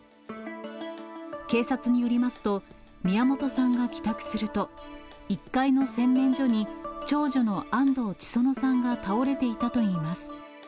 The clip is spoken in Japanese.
警察によりますと、宮本さんが帰宅すると、１階の洗面所に、長女の安藤千園さんが倒れていたといいます。